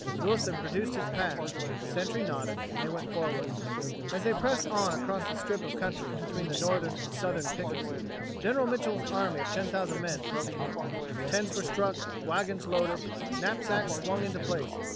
Wilson produced his pass, the Sentry nodded and they went forward. As they pressed on across the strip of country between the Northern and Southern pickets, General Mitchel's army of ten thousand men broke camp. Tents were struck, wagons loaded, knapsacks swung into place